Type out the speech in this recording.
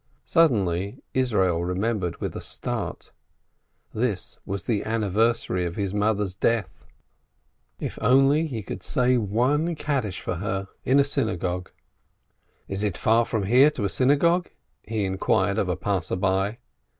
Suddenly Yisroel remembered with a start: this was the anniversary of his mother's death — if he could only say one Kaddish for her in a Klaus ! "Is it far from here to a Klaus?" he inquired of a passer by.